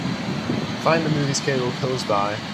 Find the movie schedule close by